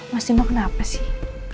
masih mau kenapa sih